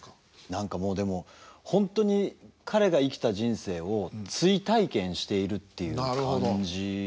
何かもうでも本当に彼が生きた人生を追体験しているっていう感じですかね。